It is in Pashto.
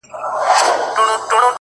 په زر چنده مرگ بهتره دی’